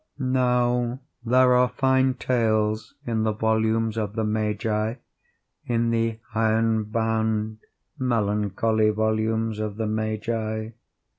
Now there are fine tales in the volumes of the Magi—in the iron bound, melancholy volumes of the Magi.